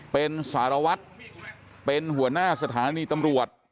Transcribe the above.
เป็นสารวัตรเป็นหัวหน้าสถานีตำรวจ